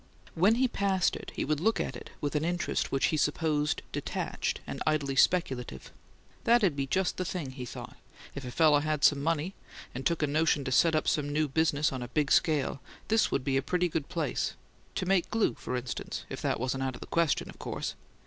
When he passed it, he would look at it with an interest which he supposed detached and idly speculative. "That'd be just the thing," he thought. "If a fellow had money enough, and took a notion to set up some new business on a big scale, this would be a pretty good place to make glue, for instance, if that wasn't out of the question, of course.